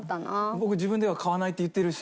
僕自分では買わないって言ってるし。